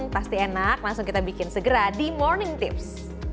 pasti enak langsung kita bikin segera di morning tips